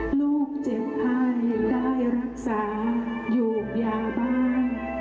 ลูกเจ็บใครได้รักษาอยู่คุณที่อยู่อย่างบ้าน